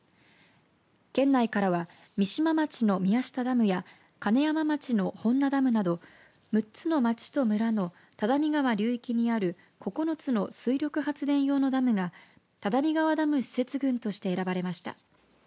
県内からは三島町の宮下ダムや金山町の本名ダムなど６つの町と村の只見川流域にある９つの水力発電用のダムが只見川ダム施設群として選ばれました。